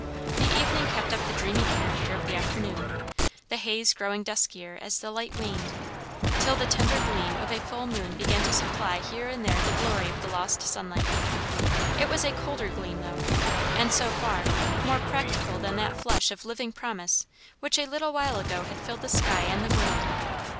The evening kept up the dreamy character of the afternoon, the haze growing duskier as the light waned; till the tender gleam of a full moon began to supply here and there the glory of the lost sunlight. It was a colder gleam, though; and so far, more practical than that flush of living promise which a little while ago had filled the sky and the world.